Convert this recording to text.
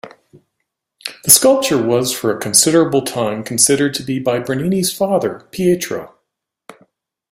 The sculpture was for a considerable time considered to be by Bernini's father Pietro.